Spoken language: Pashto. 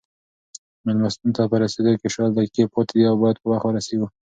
مېلمستون ته په رسېدو کې شل دقیقې پاتې دي او باید په وخت ورسېږو.